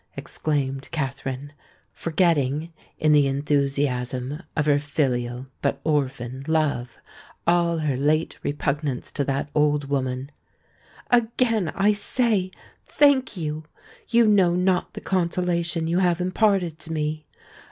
exclaimed Katherine, forgetting, in the enthusiasm of her filial, but orphan, love, all her late repugnance to that old woman: "again, I say, thank you! You know not the consolation you have imparted to me!